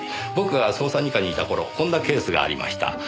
僕が捜査二課にいた頃こんなケースがありました。